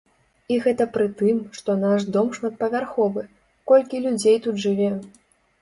І гэта пры тым, што наш дом шматпавярховы, колькі людзей тут жыве!